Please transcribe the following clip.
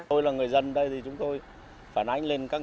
tôi là người dân đây thì chúng tôi phản ánh lên các